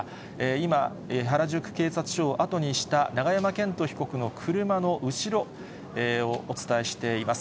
今、原宿警察署を後にした永山絢斗被告の車の後ろ、お伝えしています。